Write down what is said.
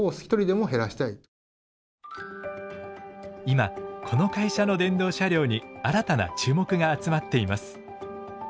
今この会社の電動車両に新たな注目が集まっています。